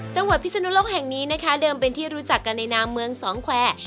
พิศนุโลกแห่งนี้นะคะเดิมเป็นที่รู้จักกันในนามเมืองสองแควร์